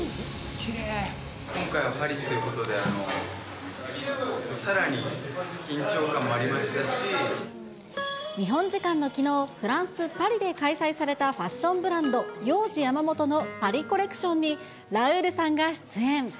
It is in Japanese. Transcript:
今回はパリということで、日本時間のきのう、フランス・パリで開催されたファッションブランド、ヨウジ・ヤマモトのパリ・コレクションにラウールさんが出演。